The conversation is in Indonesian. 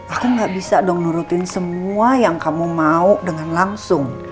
aku gak bisa dong nurutin semua yang kamu mau dengan langsung